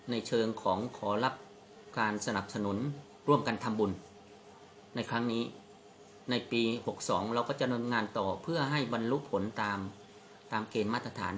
ในเชิงของขอรับการสนับสนุนร่วมกันทำบุญในครั้งนี้ในปี๖๒เราก็จะนำงานต่อเพื่อให้บรรลุผลตามเกณฑ์มาตรฐาน